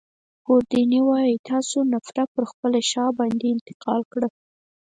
ګوردیني وايي چي تا څو نفره پر خپله شا باندې انتقال کړل.